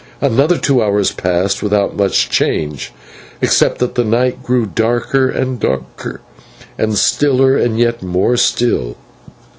Another two hours passed without much change, except that the night grew darker and darker, and stiller and yet more still.